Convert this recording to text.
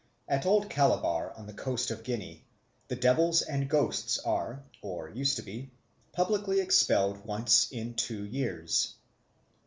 At Old Calabar on the coast of Guinea, the devils and ghosts are, or used to be, publicly expelled once in two years.